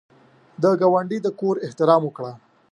د ګاونډي د کور احترام وکړه